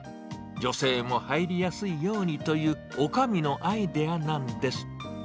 女性も入りやすいようにというおかみのアイデアなんです。